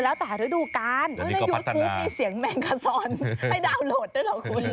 แล้วแต่ฤดูกาลในยูทูปมีเสียงแมงคาซอนให้ดาวน์โหลดด้วยเหรอคุณ